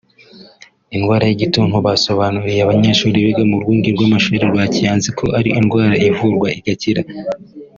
Indwara y’igituntu basobanuriye abanyeshuri biga mu rwunge rw’amashuri rwa Kiyanzi ko ari indwara ivurwa igakira